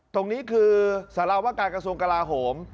ตรงนี้คือสารวการกระทรวงกลาโหม